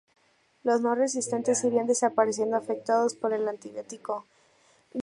Los no resistentes irían desapareciendo afectados por el antibiótico.